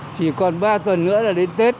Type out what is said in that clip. chỉ còn ba tuần nữa là đến tết